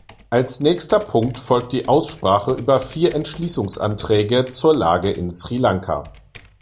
Als nächster Punkt folgt die Aussprache über vier Entschließungsanträge zur Lage in Sri Lanka.